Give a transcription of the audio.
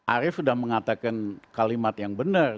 arief sudah mengatakan kalimat yang benar